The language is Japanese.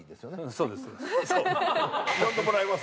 そうです。